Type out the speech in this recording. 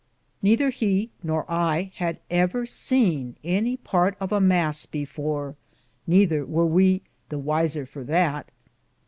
Nether he nor I had ever sene any parte of a mass before, nether weare we thinge the wyser for that.